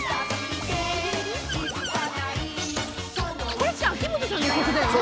「これって秋元さんの曲だよね？」